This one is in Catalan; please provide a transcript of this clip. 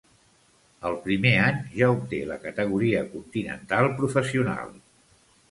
El primer any ja obté la categoria continental professional.